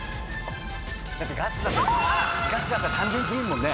だってガスだったら単純過ぎるもんね。